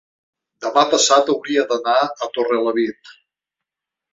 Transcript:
demà passat hauria d'anar a Torrelavit.